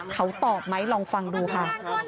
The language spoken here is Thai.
เขาตอบไหมลองฟังดูค่ะ